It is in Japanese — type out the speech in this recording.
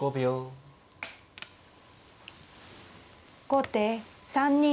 後手３二